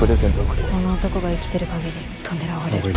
この男が生きてる限りずっと狙われる。